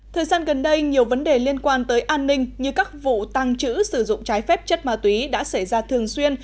thời gian gần đây nhiều vấn đề liên quan tới an ninh như các vụ tăng trữ sử dụng trái phép chất ma túy đã xảy ra thường xuyên